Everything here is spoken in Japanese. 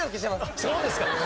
そうですか！